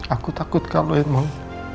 aku takut kalau emang